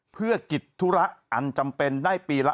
เพื่อกิจธุระอันจำเป็นได้ปีละ